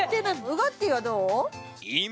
ウガッティーはどう？